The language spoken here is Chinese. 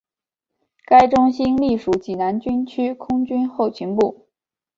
该中心隶属济南军区空军后勤部。